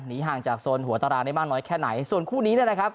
ห่างจากโซนหัวตารางได้มากน้อยแค่ไหนส่วนคู่นี้เนี่ยนะครับ